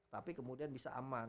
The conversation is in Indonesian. tapi kemudian bisa aman